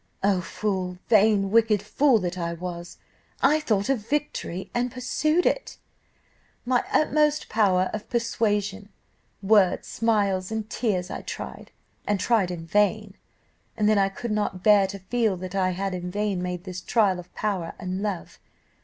"Oh fool! vain wicked fool that I was! I thought of 'victory,' and pursued it. My utmost power of persuasion words smiles and tears I tried and tried in vain; and then I could not bear to feel that I had in vain made this trial of power and love.